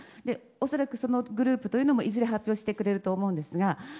恐らくそのグループというのもいずれ発表してくれると思うんですが。